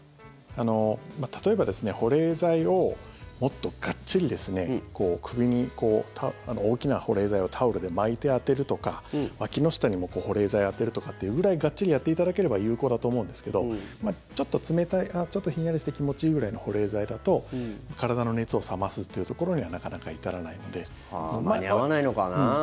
例えば保冷剤を、もっとがっちり首に大きな保冷剤をタオルで巻いて当てるとかわきの下にも保冷剤を当てるとかっていうぐらいがっちりやっていただければ有効だと思うんですけどちょっと冷たいちょっとひんやりして気持ちいいぐらいの保冷剤だと体の熱を冷ますっていうところには間に合わないのかな。